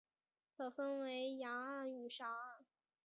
可分为岩岸与沙岸。